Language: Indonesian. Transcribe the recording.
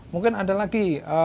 mungkin ada lagi